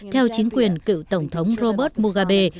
theo chính quyền cựu tổng thống robert mugabe